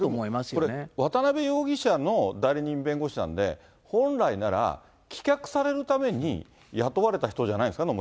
これ、渡辺容疑者の代理人弁護士なんで、本来なら棄却されるために雇われた人じゃないんですか？